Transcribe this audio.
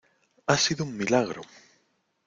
¡ ha sido un milagro!...